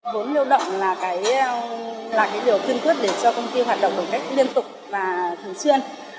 vốn lưu động là điều khuyên thuyết để cho công ty hoạt động đồng cách liên tục và thường xuyên